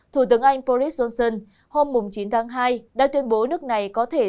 thủ tướng anh boris johnson hôm chín tháng hai đã tuyên bố nước này có thể